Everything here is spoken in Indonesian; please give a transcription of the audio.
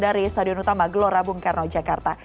dari stadion utama gelora bung karno jakarta